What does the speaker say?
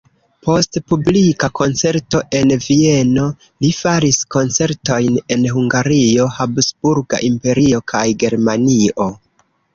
Post publika koncerto en Vieno li faris koncertojn en Hungario, Habsburga Imperio kaj Germanio.